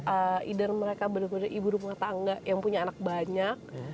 either mereka benar benar ibu rumah tangga yang punya anak banyak